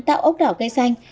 tạo ốc đảo cây xanh